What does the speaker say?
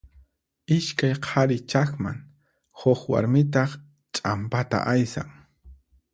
Iskay qhari chaqman, huk warmitaq ch'ampata aysan.